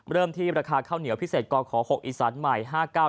เริ่มที่ราคาข้าวเหนียวพิเศษกข๖อีสานใหม่๕๙บาท